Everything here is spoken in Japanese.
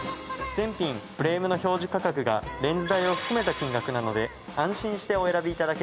全品フレームの表示価格がレンズ代を含めた金額なので安心してお選び頂けます。